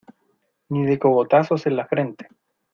ni de cogotazos en la frente.